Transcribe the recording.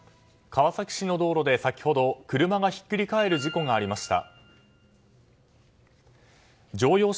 川崎市の道路で先ほど車がひっくり返る事故がありました。